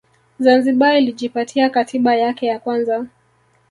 Zanzibar ilijipatia Katiba yake ya kwanza